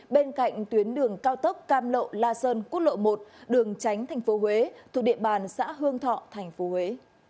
bên cạnh tuyến đường cao tốc cam lộ la sơn quốc lộ một đường tránh thành phố huế thuộc địa bàn xã hương thọ tp huế